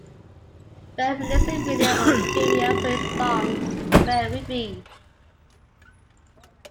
Bell released a video on Vimeo for his song, "Where We've Been".